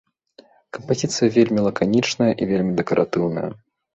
Кампазіцыя вельмі лаканічная і вельмі дэкаратыўная.